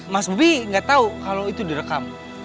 mas bobby gak tahu kalau itu direkam